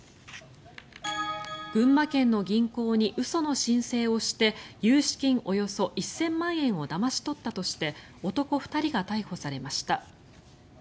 群馬県の銀行に嘘の申請をして融資金およそ１０００万円をだまし取ったとして男２人が逮捕されました。